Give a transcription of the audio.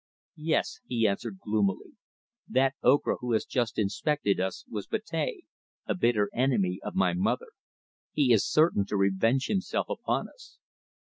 "Yes," he answered, gloomily. "That Ocra who has just inspected us was Betea, a bitter enemy of my mother. He is certain to revenge himself upon us."